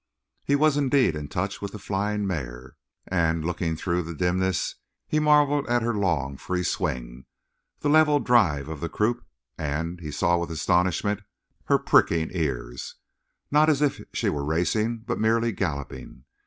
He was indeed in touch with the flying mare, and, looking through the dimness, he marveled at her long, free swing, the level drive of the croup, and he saw with astonishment her pricking ears! Not as if she were racing, but merely galloping.